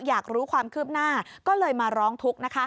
อยากรู้ความคืบหน้าก็เลยมาร้องทุกข์นะคะ